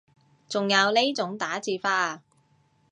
仲有呢種打字法啊